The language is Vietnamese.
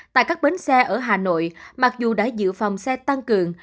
tại các bến xe ở hà nội mặc dù đã giữ phòng xe tăng cường